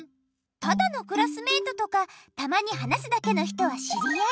ただのクラスメートとかたまに話すだけの人は知り合い。